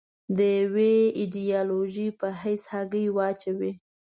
د یوې ایدیالوژۍ په حیث هګۍ واچوي.